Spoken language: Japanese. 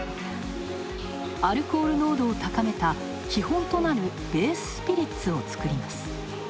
アルコール濃度を高めた基本となるベーススピリッツを造ります。